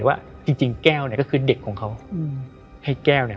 เขาก็เลยอาจจะอยากจะคิดวิธีเพื่อที่จะให้คุณเคเขามีปัญหา